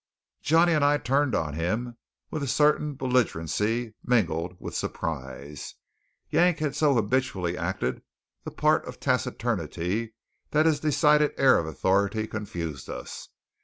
Johnny and I turned on him with a certain belligerency mingled with surprise. Yank had so habitually acted the part of taciturnity that his decided air of authority confused us.